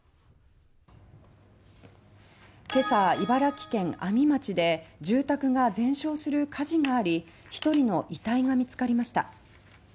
今朝、茨城県阿見町で住宅が全焼する火事があり１人の遺体が見つかりました。